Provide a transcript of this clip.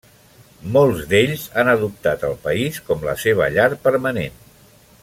Molts d'ells han adoptat el país com la seva llar permanent.